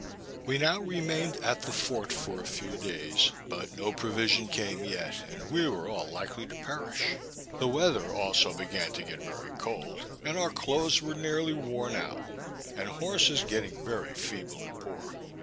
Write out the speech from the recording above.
We now remained at the fort a few days, but no provision came yet, and we were all likely to perish. The weather also began to get very cold; and our clothes were nearly worn out, and horses getting very feeble and poor.